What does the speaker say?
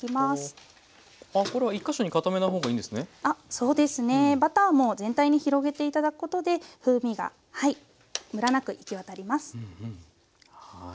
そうですねバターも全体に広げて頂くことで風味がはいムラなく行き渡ります。